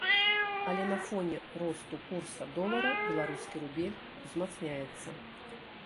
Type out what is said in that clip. Але на фоне росту курса долара беларускі рубель узмацняецца.